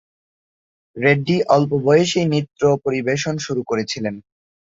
রেড্ডি অল্প বয়সেই নৃত্য পরিবেশন শুরু করেছিলেন।